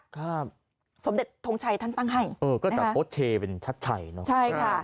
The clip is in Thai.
ครับสมเด็จทงชัยท่านตั้งให้เออก็จะโพสต์เชเป็นชัดชัยเนอะใช่ค่ะ